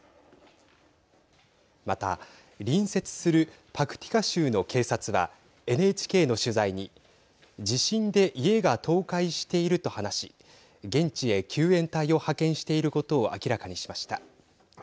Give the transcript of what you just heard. また隣接するパクティカ州の警察はＮＨＫの取材に地震で家が倒壊していると話し現地へ救援隊を派遣していることを明らかにしました。